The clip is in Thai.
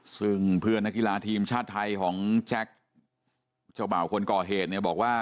ซึ่งเพื่อนนักกีฬาทีมชาติไทยของแจ็คเจ้าบ่าวคนก่อเหตุเนี่ยบอกว่า